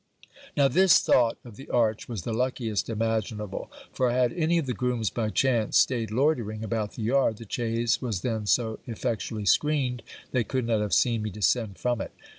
Now this thought of the arch was the luckiest imaginable; for, had any of the grooms by chance staid loitering about the yard, the chaise was then so effectually screened, they could not have seen me descend from it.